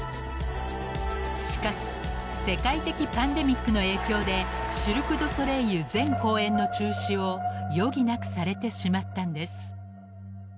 ［しかし世界的パンデミックの影響でシルク・ドゥ・ソレイユ全公演の中止を余儀なくされてしまったんです］